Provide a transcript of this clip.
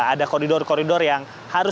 ada koridor koridor yang harus